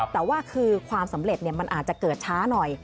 แต่ว่าคือความสำเร็จมันอาจจะเกิดช้าหน่อย